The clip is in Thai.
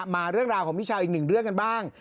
มาเรื่องราวของพี่ชาวอีกหนึ่งเรื่องกันบ้าง